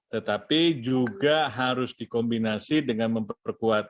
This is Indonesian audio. tetapi juga harus dikombinasi dengan memperkuat